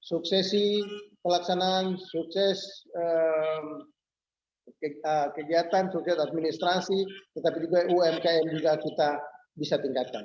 suksesi pelaksanaan sukses kegiatan sukses administrasi tetapi juga umkm juga kita bisa tingkatkan